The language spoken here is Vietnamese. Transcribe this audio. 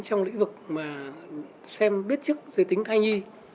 trong lĩnh vực xem bước chức giới tính thai nhi